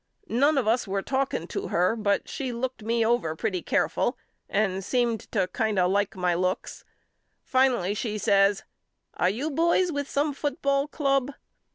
None of us were talking to her but she looked me over A BUSHER'S LETTERS HOME 29 pretty careful and seemed to kind of like my looks. Finally she says Are you boys with some football club?